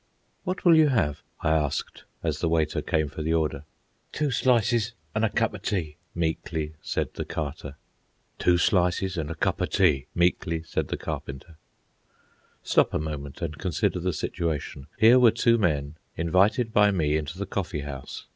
"What will you have?" I asked, as the waiter came for the order. "Two slices an' a cup of tea," meekly said the Carter. "Two slices an' a cup of tea," meekly said the Carpenter. Stop a moment, and consider the situation. Here were two men, invited by me into the coffee house.